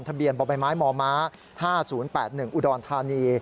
ทะเบียนบ่มายไม้หมอม้า๕๐๘๑อุดรธานี